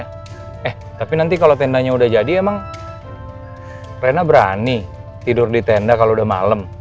eh tapi nanti kalau tendanya udah jadi emang rena berani tidur di tenda kalau udah malem